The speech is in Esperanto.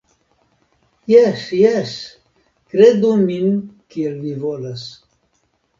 Jes, jes, kredu min kiel vi volas.